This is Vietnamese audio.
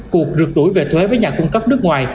cuộc rượt đuổi về thuế với nhà cung cấp nước ngoài